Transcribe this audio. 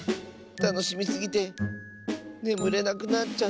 たのしみすぎてねむれなくなっちゃった。